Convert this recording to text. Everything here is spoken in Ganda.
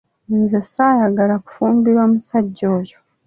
Nze saayagala kufumbirwa musajja oyo.